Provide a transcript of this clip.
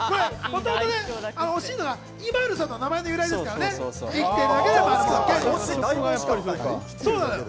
もともとはＩＭＡＬＵさんの名前の由来ですからね、「生きてるだけで丸もうけ」。